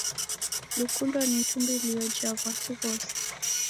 Lukundo ni itumbulio ja w'asi ghose.